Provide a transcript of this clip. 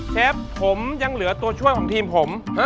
เชฟผมยังเหลือตัวช่วยของทีมผม